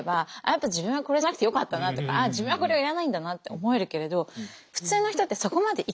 やっぱ自分はこれじゃなくてよかったなとかあっ自分はこれはいらないんだなって思えるけれどはい。